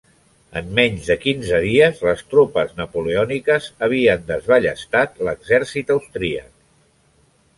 En menys de quinze dies les tropes napoleòniques havien desballestat l'exèrcit austríac.